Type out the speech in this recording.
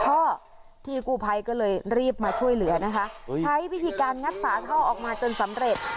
พี่กู้ภัยก็เลยรีบมาช่วยเหลือนะคะใช้วิธีการงัดฝาท่อออกมาจนสำเร็จ